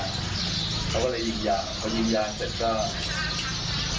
เขาก็เลยหยิงยากพอยิงยากเสร็คก็ผมดีพันธุ์ข้างซ้ายเนี่ยเขาก็แวะไป